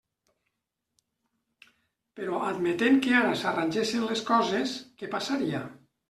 Però admetent que ara s'arrangessen les coses, ¿què passaria?